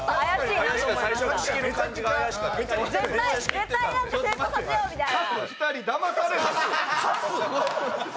絶対なんか成功させようみたいな。